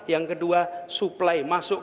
yang kedua suplai masuk